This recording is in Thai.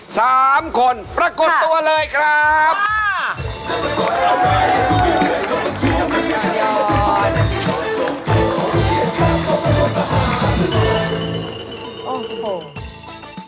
สามคนประกดตัวเลยครับอ่าฮ